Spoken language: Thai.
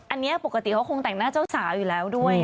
อันนี้ปกติเขาคงแต่งหน้าเจ้าสาวอยู่แล้วด้วย